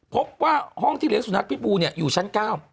พบว่าห้องที่เลี้ยสุนัขพิษบูอยู่ชั้น๙